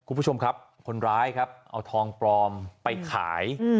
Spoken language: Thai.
คุณผู้ชมครับคนร้ายครับเอาทองปลอมไปขาย